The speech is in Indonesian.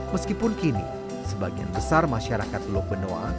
meskipun kini sebagian besar masyarakat teluk benoa